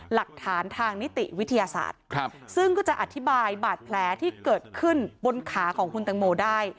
หลักฐานทางนิติวิทยาศาสตร์ซึ่งก็จะอธิบายบาดแผลที่เกิดขึ้นบนขาของคุณตังโมได้